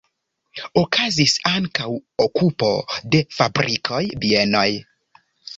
Okazis ankaŭ okupo de fabrikoj, bienoj.